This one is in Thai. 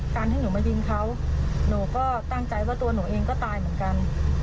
ให้หนูมายิงเขาหนูก็ตั้งใจว่าตัวหนูเองก็ตายเหมือนกัน